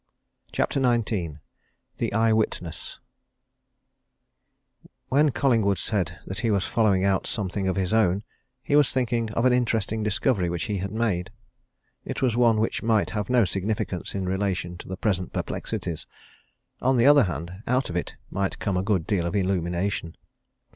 CHAPTER XIX THE EYE WITNESS When Collingwood said that he was following out something of his own, he was thinking of an interesting discovery which he had made. It was one which might have no significance in relation to the present perplexities on the other hand, out of it might come a good deal of illumination.